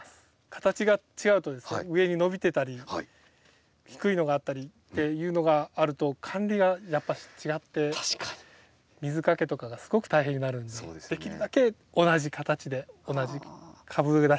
形が違うとですね上に伸びてたり低いのがあったりっていうのがあると管理がやっぱし違って水かけとかがすごく大変になるんでできるだけ同じ形で同じ株立ちでつくりたいっていう。